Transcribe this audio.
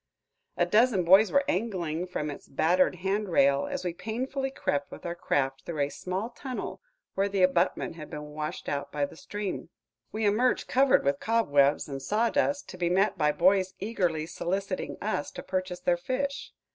A dozen boys were angling from its battered hand rail, as we painfully crept with our craft through a small tunnel where the abutment had been washed out by the stream. We emerged covered with cobwebs and sawdust, to be met by boys eagerly soliciting us to purchase their fish.